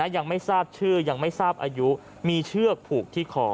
ยังไม่ทราบชื่อยังไม่ทราบอายุมีเชือกผูกที่คอ